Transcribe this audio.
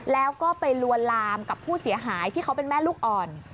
แล้วก็ไปลวนลามกับผู้เสียหายที่เขาเป็นแม่ลูกอ่อน